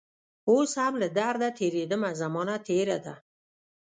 اوس هم له درده تیریدمه زمانه تیره ده